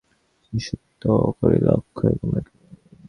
হেমনলিনী অক্ষয়কে বিরক্তিদৃষ্টিদ্বারা বিদ্ধ করিল।